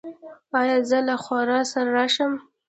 ایا زه له خور سره راشم؟